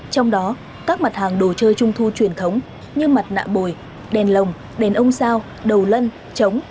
trong đó các mặt hàng đồ chơi trung thu truyền thống như mặt nạ bồi đèn lồng đèn ông sao đầu lân trống